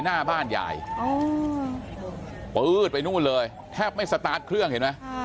หน้าบ้านยายแล้วครับไม่สตาร์ทเครื่องเห็นนะ